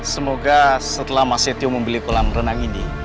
semoga setelah mas setio membeli kolam renang ini